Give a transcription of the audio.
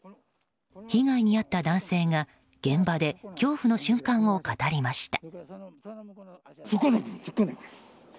被害に遭った男性が現場で恐怖の瞬間を語りました。